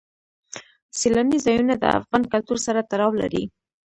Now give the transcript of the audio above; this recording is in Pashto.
سیلانی ځایونه د افغان کلتور سره تړاو لري.